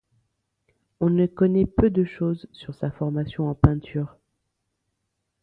On ne connaît peu de choses sur sa formation en peinture.